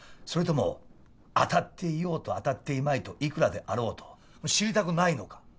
それとも当たっていようと当たっていまいと幾らであろうと知りたくないのか。